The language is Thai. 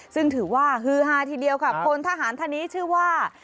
ซึ่งถือว่าฮือฮาทีเดียวค่ะพลทหารท่านนี้ชื่อว่า